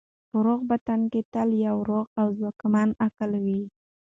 په روغ بدن کې تل یو روغ او ځواکمن عقل وي.